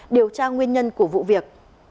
điều tra nguyên nhân của vụ việc